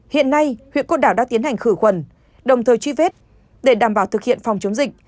hiện nay huyện côn đảo đã tiến hành khử khuẩn đồng thời truy vết để đảm bảo thực hiện phòng chống dịch